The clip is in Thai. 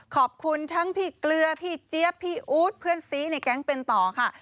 ขอบคุณทั้งพี่เกลือพี่เจี๊ยบพี่อู๊ดเพื่อนซีในแก๊งเป็นต่อค่ะ